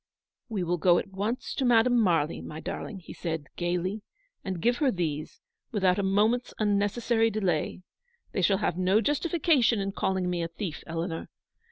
"We will go at once to Madame Marly, my darling," he said, gaily, " and give her these, without a moment's unnecessary delay. They shall have no justification in calling me a thief, Eleanor.